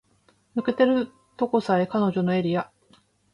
抜けてるとこさえ彼女のエリア